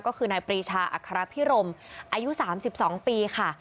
ก็คือนายปรีชาอัครพิรมอายุสามสิบสองปีค่ะ